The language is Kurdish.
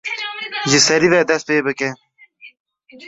Ji serî ve dest pê bike.